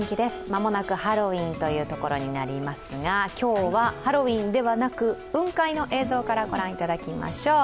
間もなくハロウィーンというところになりますが今日はハロウィーンではなく雲海の映像からご覧いただきましょう。